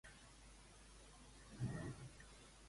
Què li transmet seure a la pedra de casa la dida?